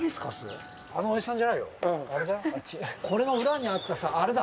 海譴裏にあったさあれだ。